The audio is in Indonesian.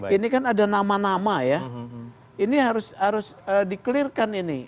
ini kan ada nama nama ya ini harus di clear kan ini